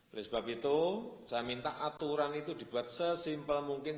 oleh sebab itu saya minta aturan itu dibuat sesimpel mungkin